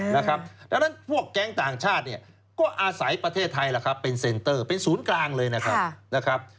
ดังนั้นพวกแก๊งต่างชาติเนี่ยก็อาศัยประเทศไทยเป็นเซ็นเตอร์เป็นศูนย์กลางเลยนะครับ